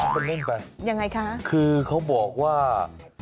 มันมุ่นไปคือเขาบอกว่าอย่างไรคะ